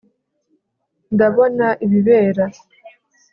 Ndabona ibibera